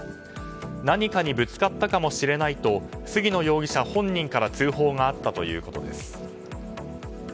何かにぶつかったかもしれないと杉野容疑者本人から通報があったということです。